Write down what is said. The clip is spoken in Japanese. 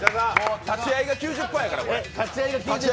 立ち会いが９０％だから、これ。